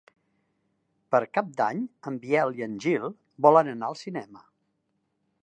Per Cap d'Any en Biel i en Gil volen anar al cinema.